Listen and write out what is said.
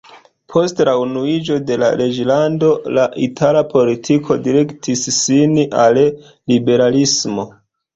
Post la unuiĝo de la Reĝlando la itala politiko direktis sin al liberalismo.